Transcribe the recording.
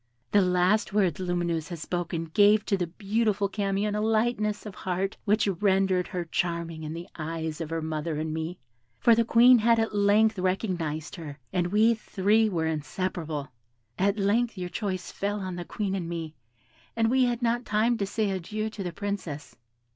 "The last words Lumineuse had spoken gave to the beautiful Camion a lightness of heart which rendered her charming in the eyes of her mother and me; for the Queen had at length recognised her, and we three were inseparable. At length your choice fell on the Queen and me, and we had not time to say adieu to the Princess.